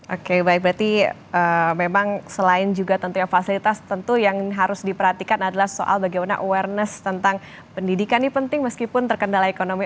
oke baik berarti memang selain juga tentunya fasilitas tentu yang harus diperhatikan adalah soal bagaimana awareness tentang pendidikan ini penting meskipun terkendala ekonomi